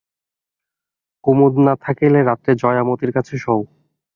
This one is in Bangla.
কুমুদ না থাকিলে রাত্রে জয়া মতির কাছে শোয়।